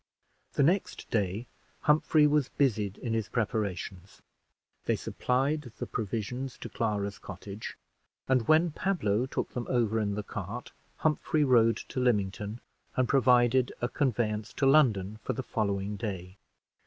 The next day Humphrey was busied in his preparations. They supplied the provisions to Clara's cottage; and when Pablo took them over in the cart, Humphrey rode to Lymington and provided a conveyance to London for the following day.